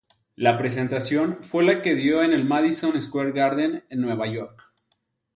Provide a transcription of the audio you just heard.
La presentación fue la que dio en el Madison Square Garden en Nueva York.